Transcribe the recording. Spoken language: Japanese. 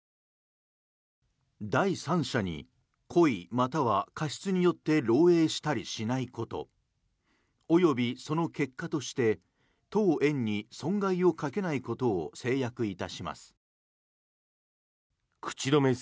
第三者に故意または過失によって漏えいしたりしないこと及びその結果として当園に損害をかけないことを誓約いたします。